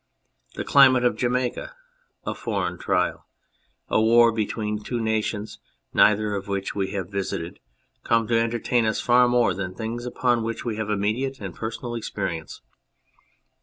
The climate of Jamaica, a foreign trial, a war between two nations neither of which we have visited, come to entertain us far more than things upon which we have immediate and personal experience.